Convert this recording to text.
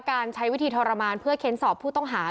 การใช้วิธีทรมานเพื่อเค้นสอบผู้ต้องหา